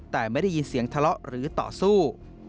แต่ไม่ได้ยินเสียงทะเลาะหรือต่อสู้